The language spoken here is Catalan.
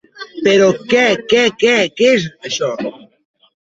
Però què què què, què és, això?